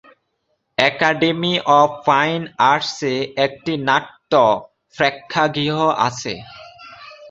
Academy of fine আর্টসে একটি নাট্য প্রেক্ষাগৃহ আছে।